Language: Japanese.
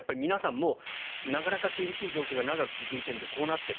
もうなかなか厳しい状況が長く続いているのでこうなっている。